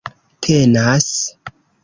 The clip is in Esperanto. tenas